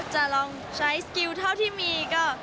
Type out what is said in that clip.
จะลองใช้สกิลเท่าที่มีก็